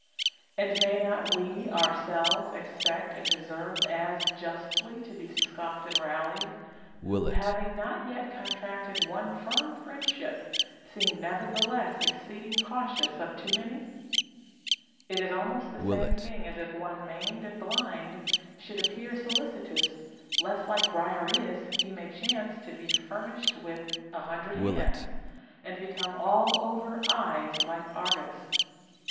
And may not we ourselves expect and deserve as justly to be scoffed and rallied, who having not yet con tracted one firm friendship seem nevertheless exceeding cautious of too many ? It is almost the same thing as if one maimed and blind should appear solicitous lest like Briareus he may chance to be furnished with a hundred hands, and become all over eyes like Argus.